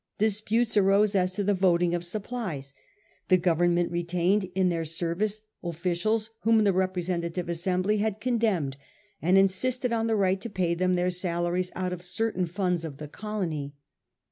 Disputes arose as to the voting of supplies. The Government retained in their ser vice officials whom the representative assembly had condemned, and insisted on the right to pay them their salaries out of certain funds of the colony.